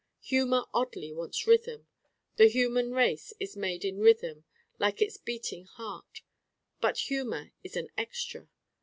Humor oddly wants Rhythm. The human race is made in Rhythm like its beating heart: but humor is an 'extra.